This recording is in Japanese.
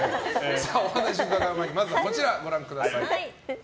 お話を伺う前にこちらをご覧ください。